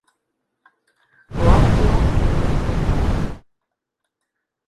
O óptimo é inimigo do bon.